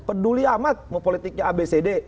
peduli amat mau politiknya abcd